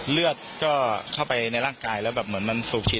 เลือดก็เข้าไปในร่างกายแล้วแบบเหมือนมันสูบฉีด